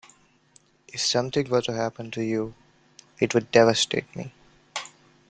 If something were to happen to you, it would devastate me.